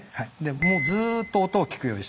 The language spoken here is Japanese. もうずっと音を聞くように。